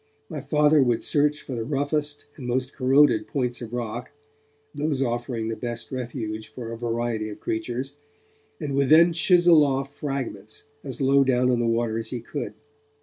My Father would search for the roughest and most corroded points of rock, those offering the best refuge for a variety of creatures, and would then chisel off fragments as low down in the water as he could.